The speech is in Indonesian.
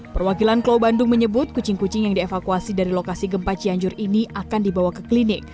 perwakilan pulau bandung menyebut kucing kucing yang dievakuasi dari lokasi gempa cianjur ini akan dibawa ke klinik